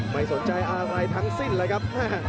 ไม่สนใจอะไรทั้งสิ้นเลยครับ